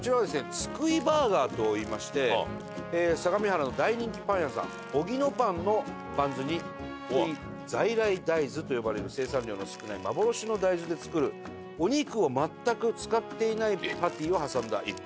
津久井バーガーといいまして相模原の大人気パン屋さんオギノパンのバンズに在来大豆と呼ばれる生産量の少ない幻の大豆で作るお肉を全く使っていないパティを挟んだ逸品」